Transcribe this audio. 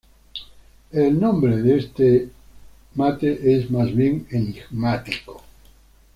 El nombre de este mate es más bien enigmático.